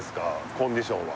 コンディションは？